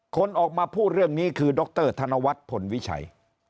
คนออกมาพูดเรื่องนี้คือดรธนวัฒน์พลวิชัย